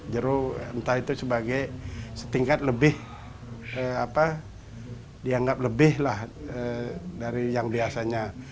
jeruk entah itu sebagai setingkat lebih dianggap lebih lah dari yang biasanya